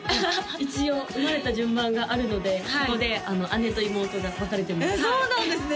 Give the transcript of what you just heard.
一応生まれた順番があるのでそこで姉と妹が分かれてますそうなんですね